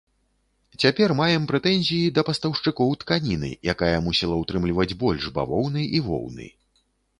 Цяпер маем прэтэнзіі да пастаўшчыкоў тканіны, якая мусіла утрымліваць больш бавоўны і воўны.